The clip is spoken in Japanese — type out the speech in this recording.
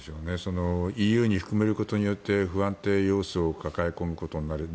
ＥＵに含めることで不安定要素を抱え込むことになる。